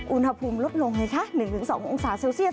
อุณหภูมิลดลงไงคะ๑๒องศาเซลเซียส